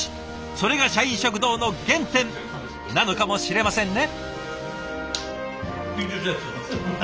それが社員食堂の原点なのかもしれませんね。